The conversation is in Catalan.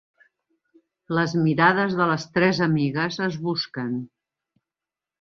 Les mirades de les tres amigues es busquen.